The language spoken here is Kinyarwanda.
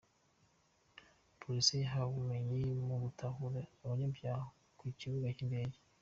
Polisi yahawe ubumenyi mu gutahura abanyabyaha ku kibuga cy’indege